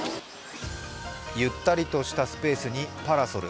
ゆったりとしたスペースにパラソル。